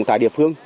tại địa phương